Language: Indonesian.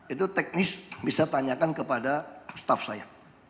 itu teknis bisa tanyakan kepada staff saya